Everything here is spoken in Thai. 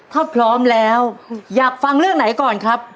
ถ้าพร้อมแล้วอยากฟังเรื่องไหนก่อนครับ